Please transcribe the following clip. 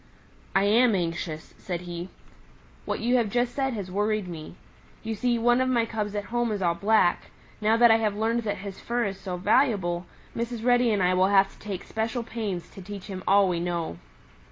"I am anxious," said he. "What you have just said has worried me. You see, one of my cubs at home is all black. Now that I have learned that his fur is so valuable, Mrs. Reddy and I will have to take special pains to teach him all we know."